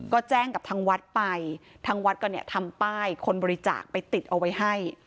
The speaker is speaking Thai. ก็แจ้งกับทางวัดไปทางวัดก็เนี่ยทำป้ายคนบริจาคไปติดเอาไว้ให้